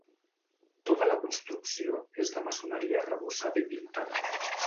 Tota la construcció és de maçoneria arrebossada i pintada.